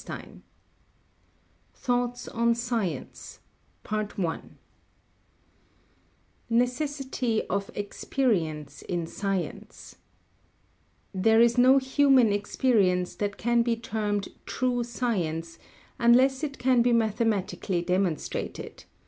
III THOUGHTS ON SCIENCE [Sidenote: Necessity of Experience in Science] There is no human experience that can be termed true science unless it can be mathematically demonstrated.